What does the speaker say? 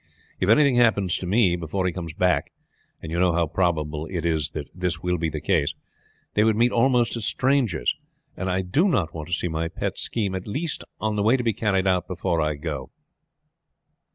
If anything happens to me before he comes back, and you know how probable it is that this will be the case, they would meet almost as strangers, and I do want to see my pet scheme at least on the way to be carried out before I go.